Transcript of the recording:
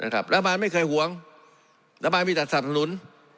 รับมารไม่เคยหวงรับมารมีแต่สรรพนุน